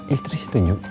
istri si tunjuk